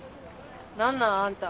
何なんあんた。